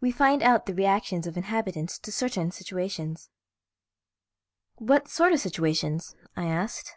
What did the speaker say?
We find out the reactions of the inhabitants to certain situations." "What sort of situations?" I asked.